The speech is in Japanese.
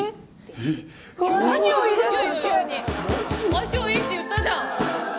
相性いいって言ったじゃん！